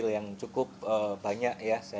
yang cukup banyak ya